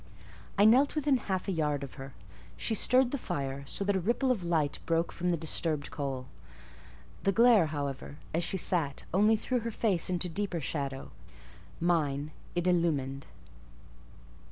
I knelt within half a yard of her. She stirred the fire, so that a ripple of light broke from the disturbed coal: the glare, however, as she sat, only threw her face into deeper shadow: mine, it illumined.